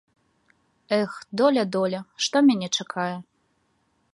Эх, доля, доля, што мяне чакае?